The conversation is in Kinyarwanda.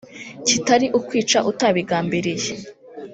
kitari ukwica utabigambiriye